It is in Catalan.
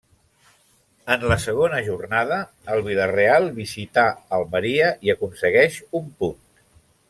En la segona jornada el Vila-real visità Almeria i aconseguix un punt.